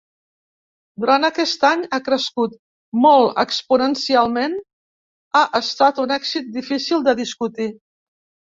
Durant aquest any ha crescut molt exponencialment, ha estat un èxit difícil de discutir.